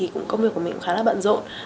công việc của mình cũng khá là bận rộn